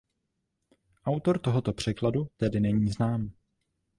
Autor tohoto překladu tedy není znám.